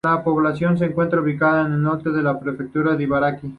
La población se encuentra ubicada al norte de la Prefectura de Ibaraki.